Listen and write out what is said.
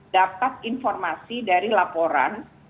dapat informasi dari laporan